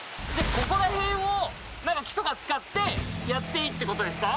ここら辺を木とか使ってやっていいってことですか？